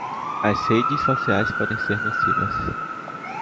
As redes sociais podem ser nocivas.